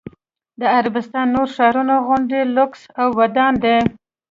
د عربستان نورو ښارونو غوندې لوکس او ودان دی.